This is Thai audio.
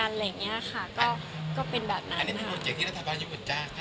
อันนี้มันมีโปรเจคที่รัฐบาลญี่ปุ่นจากให้เรา๒คน